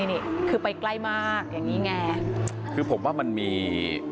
นี่คือไปใกล้มากอย่างนี้ไงคือผมว่ามันมี